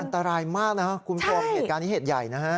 อันตรายมากนะครับคุณผู้ชมเหตุการณ์นี้เหตุใหญ่นะฮะ